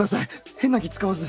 変な気使わず。